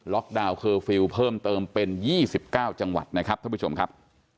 ดาวนเคอร์ฟิลล์เพิ่มเติมเป็น๒๙จังหวัดนะครับท่านผู้ชมครับ